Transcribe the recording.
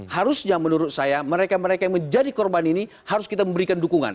harusnya menurut saya mereka mereka yang menjadi korban ini harus kita memberikan dukungan